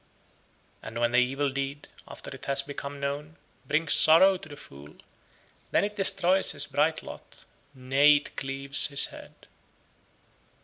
72. And when the evil deed, after it has become known, brings sorrow to the fool, then it destroys his bright lot, nay, it cleaves his head.